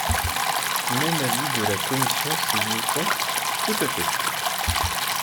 Même avis de la commission saisie au fond ? Tout à fait.